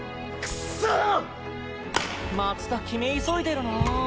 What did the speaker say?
松田決め急いでるなぁ。